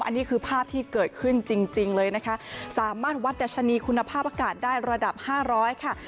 อันนี้คือภาพที่เกิดขึ้นจริงเลยนะคะสามารถวัดดัชนีคุณภาพอากาศได้ระดับ๕๐๐ค่ะ